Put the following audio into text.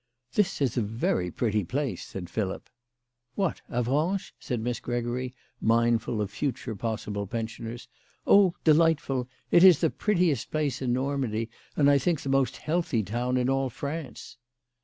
" This is a very pretty place/' said Philip. " What, Avranches ?" said Miss Gregory, mindful of future possible pensioners. " Oh, delightful. It is the prettiest place in Normandy, and I think the most healthy town in all France."